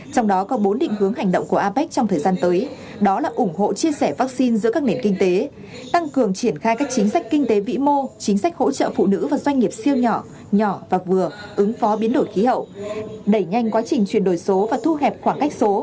trong đó có bốn định hướng hành động của apec trong thời gian tới đó là ủng hộ chia sẻ vaccine giữa các nền kinh tế tăng cường triển khai các chính sách kinh tế vĩ mô chính sách hỗ trợ phụ nữ và doanh nghiệp siêu nhỏ nhỏ và vừa ứng phó biến đổi khí hậu đẩy nhanh quá trình chuyển đổi số và thu hẹp khoảng cách số